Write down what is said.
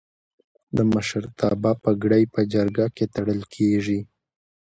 د مشرتابه پګړۍ په جرګه کې تړل کیږي.